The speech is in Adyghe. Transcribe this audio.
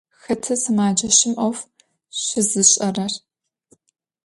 Xeta sımeceşım 'of şızış'erer?